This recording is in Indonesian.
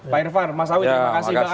pak irfan mas awit terima kasih pak arya